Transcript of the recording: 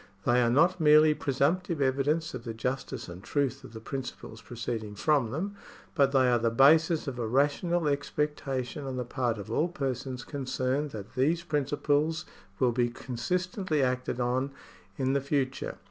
They are not merely presumptive evidence of the justice and truth of the principles proceeding from them, but they are the basis of a rational expectation on the part of all persons concerned that these principles will be consistently acted on in the future.